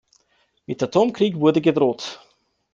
Mit Atomkrieg wurde gedroht.